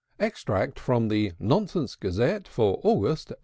Extract from "The Nonsense Gazette," for August, 1870.